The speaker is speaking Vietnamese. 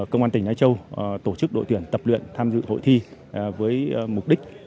công an tỉnh lai châu tổ chức đội tuyển tập luyện tham dự hội thi với mục đích